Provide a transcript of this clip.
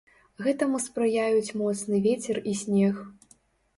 Гэтаму спрыяюць моцны вецер і снег.